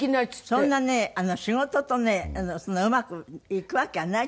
「そんなね仕事とねうまくいくわけはない」とか。